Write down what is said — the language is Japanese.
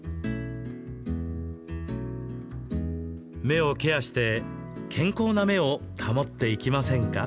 目をケアして、健康な目を保っていきませんか？